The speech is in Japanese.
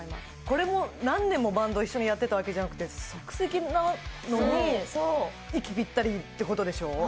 これも何年もバンドを一緒にやってたわけじゃなくて即席なのに息ピッタリってことでしょ